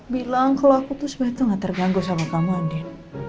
bilang kalau aku tuh sebenarnya tuh gak terganggu sama kamu adik